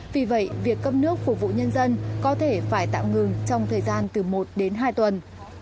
vì vậy việc cấp nước phục vụ nhân dân có thể phải tạm ngừng trong thời gian từ một đến hai tuần